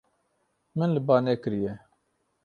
Min li ba nekiriye.